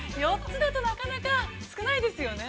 ４つだとなかなか少ないですよね。